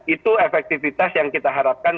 itu efektivitas yang kita harapkan